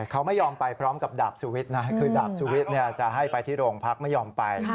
เขาไม่ยอมไปพร้อมกับดาบสุวิทย์นะคือดาบสุวิทย์จะให้ไปที่โรงพักไม่ยอมไป